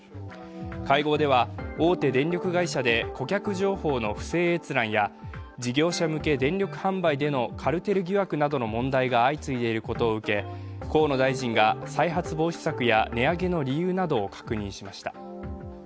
会合では大手電力会社で顧客情報の不正閲覧や事業者向け電力販売でのカルテル疑惑などの問題が相次いでいることを受け河野大臣が再発防止策や値上げの理由などを確認しました。